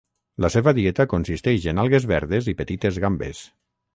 La seva dieta consisteix en algues verdes i petites gambes.